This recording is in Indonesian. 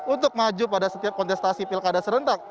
untuk maju pada setiap kontestasi pilkada serentak